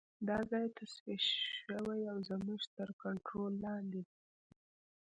دا ځای تصفیه شوی او زموږ تر کنترول لاندې دی